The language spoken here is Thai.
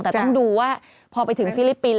แต่ต้องดูว่าพอไปถึงฟิลิปปินส